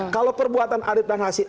kalau perbuatan adit dan hasim